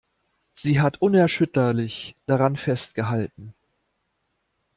Sie hat unerschütterlich daran festgehalten.